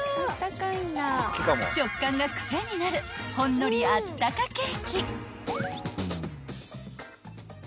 ［食感が癖になるほんのりあったかケーキ］